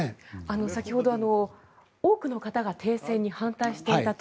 先ほど多くの方が停戦に反対していたと。